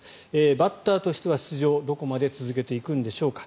バッターとしては出場、どこまで続けていくんでしょうか。